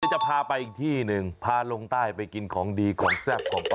เดี๋ยวจะพาไปอีกที่นึงพาลงใต้ไปกินของดีของแซ่บของอร่อย